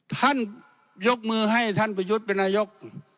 ท่านยกมือให้ท่านไปยุดเป็นนายก